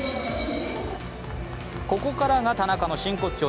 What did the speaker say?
ここからが田中の真骨頂。